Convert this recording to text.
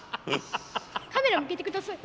カメラ向けてください。